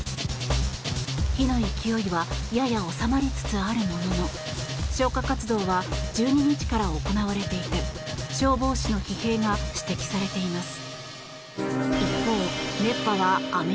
火の勢いはやや収まりつつあるものの消火活動は１２日から行われていて消防士の疲弊が指摘されています。